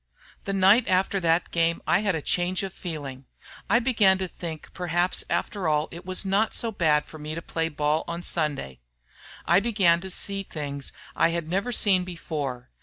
"The night after that game I had a change of feeling. I began to think perhaps after all it was not so bad for me to Play ball on Sunday. I began to see things I had never seen before.